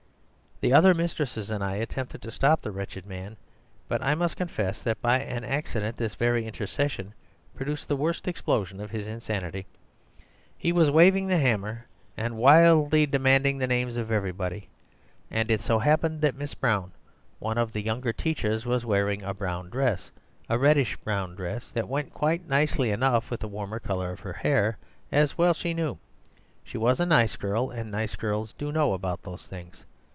The other mistresses and I attempted to stop the wretched man, but I must confess that by an accident this very intercession produced the worst explosion of his insanity. He was waving the hammer, and wildly demanding the names of everybody; and it so happened that Miss Brown, one of the younger teachers, was wearing a brown dress—a reddish brown dress that went quietly enough with the warmer colour of her hair, as well she knew. She was a nice girl, and nice girls do know about those things.